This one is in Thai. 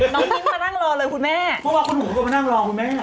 น้องนิ้งมานั่งรอเลยคุณแม่เพราะว่าคนหัวเขามานั่งรอคุณแม่